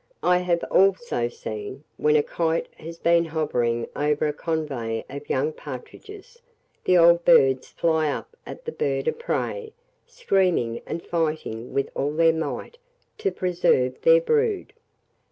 I have also seen, when a kite has been hovering over a covey of young partridges, the old birds fly up at the bird of prey, screaming and fighting with all their might to preserve their brood."